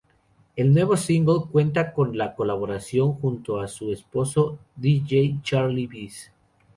El nuevo single cuenta con la colaboración junto a su esposo Dj-Charley Bis.